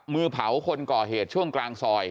มือเผาคนก่อเหตุช่วงกลางซอย